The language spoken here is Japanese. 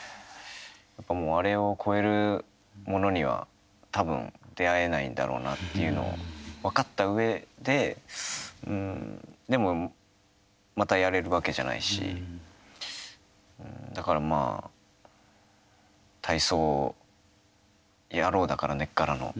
あれを超えるものには多分、出会えないんだろうなっていうのを分かったうえででも、またやれるわけじゃないしだから、まあ、体操野郎だから根っからの。